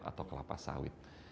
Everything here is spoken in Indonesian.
atau kelapa sawit